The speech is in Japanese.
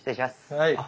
はい。